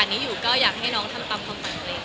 เชียวบางก็เล่นหนังนี้บ่อย